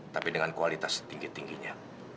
tapi dengan kualitas setinggi tingginya